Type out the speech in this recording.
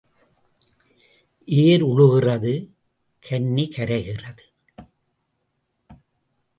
ஏர் உழுகிறது கன்னி கரைகிறது.